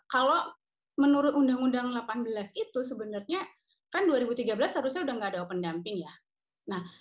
kalau menurut undang undang delapan belas itu sebenarnya kan dua ribu tiga belas harusnya sudah tidak ada open damping ya